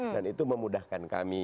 dan itu memudahkan kami